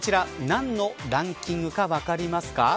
何のランキングか分かりますか。